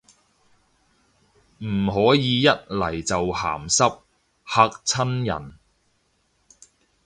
唔可以一嚟就鹹濕，嚇親人